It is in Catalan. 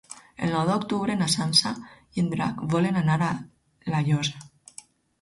El nou d'octubre na Sança i en Drac volen anar a La Llosa.